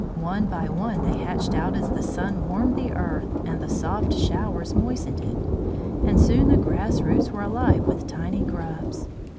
One by one they hatched out as the sun warmed the earth and the soft showers moistened it, and soon the grass roots were alive with tiny grubs.